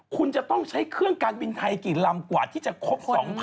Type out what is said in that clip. คุณจะต้องใช้เครื่องการบินไทยกี่ลำกว่าที่จะครบ๒๐๐๐